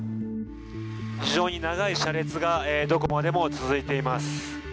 非常に長い車列がどこまでも続いています。